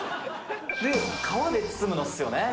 「で皮で包むのっすよね」